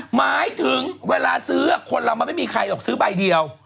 หมายถึงเวลาซื้อคนเรามันไม่มีใครหรอกซื้อใบเดียว